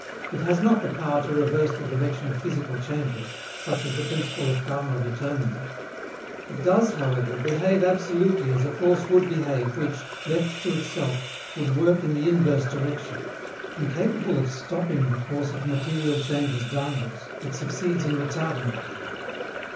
It has not the power to reverse the direction of physical changes, such as the principle of Carnot determines it. It does, however, behave absolutely as a force would behave which, left to itself, would work in the inverse direction. Incapable of stopping the course of material changes downwards, it succeeds in retarding it.